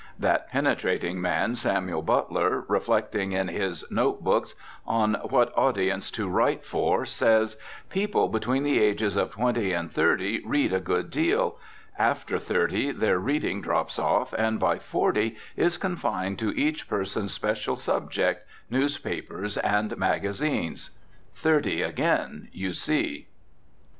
That penetrating man, Samuel Butler, reflecting in his "Note Books" on "What Audience to Write For," says: "People between the ages of twenty and thirty read a good deal, after thirty their reading drops off and by forty is confined to each person's special subject, newspapers and magazines." Thirty again, you see.